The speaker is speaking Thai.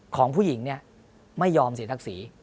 ของผู้หญิงเนี่ยไม่ยอมเสียทักษี